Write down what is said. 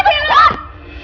aku cuma berusaha jadi